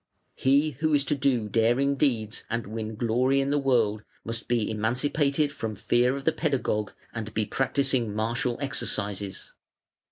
He who is to do daring deeds and win glory in the world must be emancipated from fear of the pedagogue and be practising martial exercises.